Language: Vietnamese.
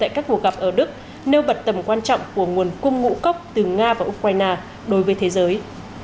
tại các cuộc gặp ở đức nêu bật tầm quan trọng của nguồn cung ngũ cốc từ nga và ukraine đối với thế giới